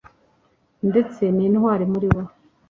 ndetse nintwari muri bo